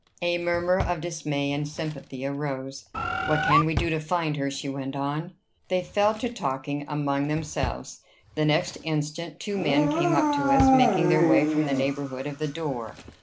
A murmur of dismay and sympathy arose. "What can we do to find her?" she went on. They fell to talking among themselves. The next instant, two men came up to us, making their way from the neighborhood of the door.